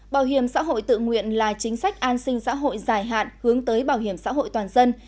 bảo hiểm xã hội tự nguyện là chính sách an sinh xã hội dài hạn hướng tới bảo hiểm xã hội toàn dân